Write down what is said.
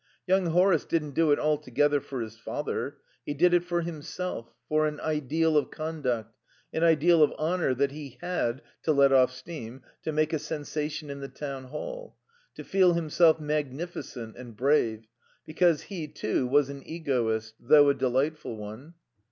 Young Horace didn't do it altogether for his father; he did it for himself, for an ideal of conduct, an ideal of honour that he had, to let off steam, to make a sensation in the Town Hall, to feel himself magnificent and brave; because he, too, was an egoist, though a delightful one.